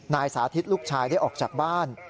สาธิตลูกชายได้ออกจากบ้าน